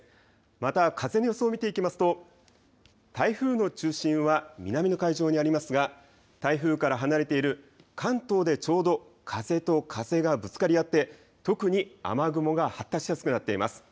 また風の予想を見ていきますと台風の中心は南の海上にありますが台風から離れている関東でちょうど風と風がぶつかり合って特に雨雲が発達しやすくなっています。